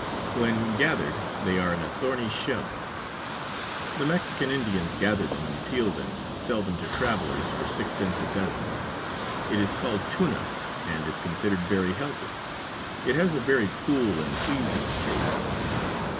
When gathered they are in a thorny shell. The Mexican Indians gather them and peel them and sell them to travelers for six cents a dozen. It is called "tuna," and is considered very healthy. It has a very cool and pleasing taste.